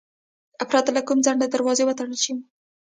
پرته له کوم ځنډه دروازې وتړل شوې.